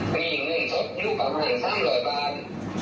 มีเงินทดอยู่ประมาณสามร้อยบาท